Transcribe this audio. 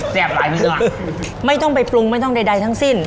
แซ่บหลายนิดหน่อยไม่ต้องไปปรุงไม่ต้องใดใดทั้งสิ้น